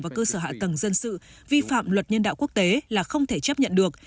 và cơ sở hạ tầng dân sự vi phạm luật nhân đạo quốc tế là không thể chấp nhận được